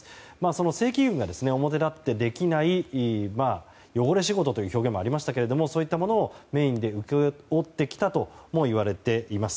その正規軍が表立ってできない汚れ仕事という表現もありましたがそういったものをメインで請け負ってきたともいわれています。